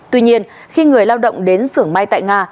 tuy nhiên khi người lao động đến nga